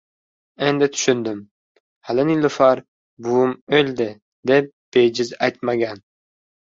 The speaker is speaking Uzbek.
Endi tushundim. Hali Nilufar, «buvim o‘ldila», deb bejiz aytmagan.